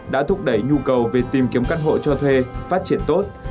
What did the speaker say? đã thúc đẩy nhu cầu về tìm kiếm căn hộ cho thuê phát triển tốt